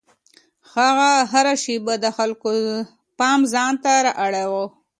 هغه هره شېبه د خلکو پام ځان ته اړاوه.